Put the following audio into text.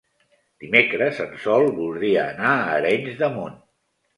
Dimecres en Sol voldria anar a Arenys de Munt.